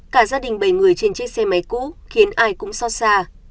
cả gia đình bảy người trên chiếc xe máy cũ khiến ai cũng xót xa